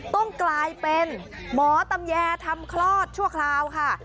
ต้องกลายเป็นหมอตำแยทำคลอดชั่วคราวค่ะ